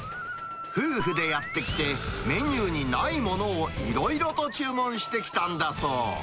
夫婦でやって来て、メニューにないものをいろいろと注文してきたんだそう。